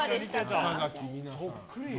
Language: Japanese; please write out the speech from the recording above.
そっくり。